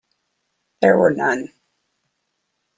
There were none.